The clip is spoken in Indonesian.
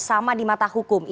sama di mata hukum